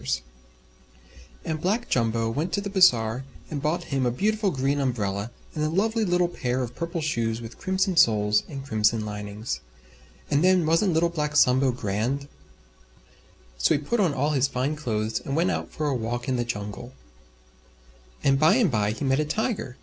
And Black Jumbo went to the Bazaar and bought him a beautiful Green Umbrella and a lovely little Pair of Purple Shoes with Crimson Soles and Crimson Linings. And then wasn't Little Black Sambo grand? So he put on all his Fine Clothes and went out for a walk in the Jungle. And by and by he met a Tiger.